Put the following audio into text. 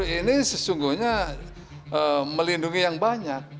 ini sesungguhnya melindungi yang banyak